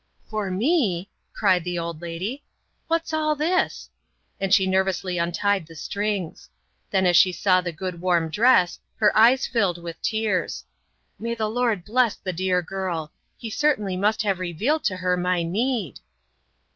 "For me!" cried the old lady. "What's all this?" and she nervously untied the strings. Then as she saw the good warm dress, her eyes filled with tears. "May the Lord bless the dear girl! He surely must have revealed to her my need!"